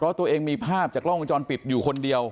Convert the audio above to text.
เพราะตัวเองมีภาพจากโรงพิจารณ์ปิดอยู่คนเดียว